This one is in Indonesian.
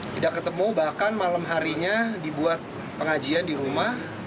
tidak ketemu bahkan malam harinya dibuat pengajian di rumah